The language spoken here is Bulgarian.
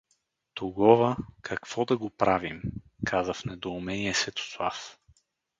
— Тогова какво да го правим? — каза в недоумение Светослав.